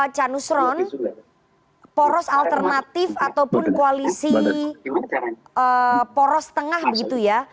canusron poros alternatif ataupun koalisi poros tengah begitu ya